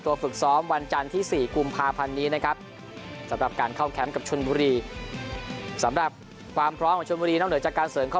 ฝึกซ้อมวันจันทร์ที่๔กุมภาพันธ์นี้นะครับสำหรับการเข้าแคมป์กับชนบุรีสำหรับความพร้อมของชนบุรีนอกเหนือจากการเสริมข้อ